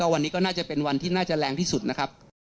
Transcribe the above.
วันนี้ก็น่าจะเป็นวันที่น่าจะแรงที่สุดนะครับ